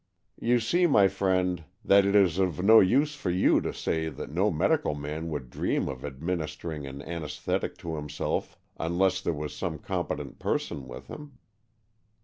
You see, my friend, that it is of no use for you to say that no medical man would dream of administering an anaesthetic to himself un less there was some competent person with him.